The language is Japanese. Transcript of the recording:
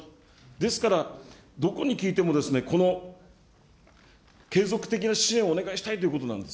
ですから、どこに聞いても、この継続的な支援をお願いしたいということなんです。